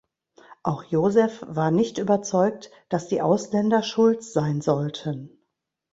Auch Josef war nicht überzeugt, dass die Ausländer schuld sein sollten.